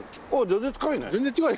全然近いね。